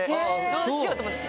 どうしようと思って。